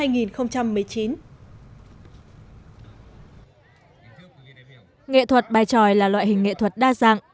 nghệ thuật bài tròi là loại hình nghệ thuật đa dạng